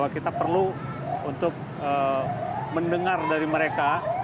kita perlu untuk mendengar dari mereka